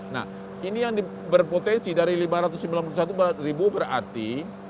nah ini yang berpotensi dari lima ratus sembilan puluh satu ribu berarti